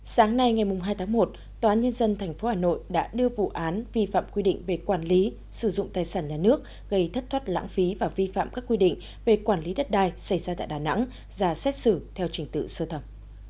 sáng nay ngày hai tháng một tòa nhân dân tp hà nội đã đưa vụ án vi phạm quy định về quản lý sử dụng tài sản nhà nước gây thất thoát lãng phí và vi phạm các quy định về quản lý đất đai xảy ra tại đà nẵng ra xét xử theo trình tự sơ thẩm